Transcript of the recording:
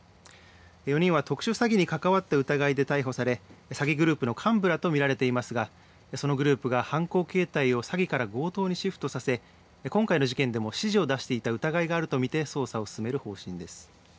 ４人は特殊詐欺に関わった疑いで逮捕され詐欺グループの幹部らと見られていますがそのグループが犯行形態を詐欺から強盗にシフトさせ、今回の事件でも指示を出していた疑いがあると見て捜査を進める方針です。